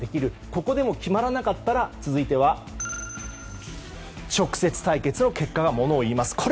ここでも決まらなかったら続いては直接対決の結果がものをいいます。